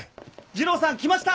二郎さん来ました！